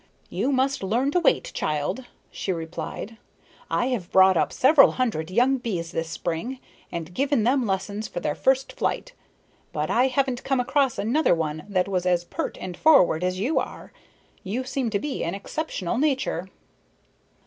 "You must learn to wait, child," she replied. "I have brought up several hundred young bees this spring and given them lessons for their first flight, but I haven't come across another one that was as pert and forward as you are. You seem to be an exceptional nature."